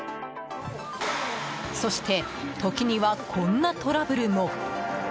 そして時にはこんなトラブルも。